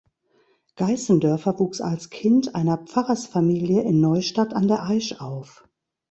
Geißendörfer wuchs als Kind einer Pfarrersfamilie in Neustadt an der Aisch auf.